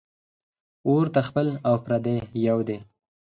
اور ته خپل او پردي یو دي